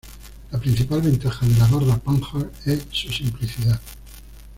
Las principal ventaja de la barra Panhard es su simplicidad.